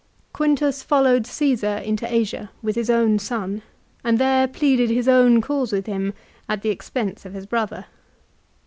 Quintus followed Caesar into Asia with his son, and there pleaded his own cause with him at the expense of his brother.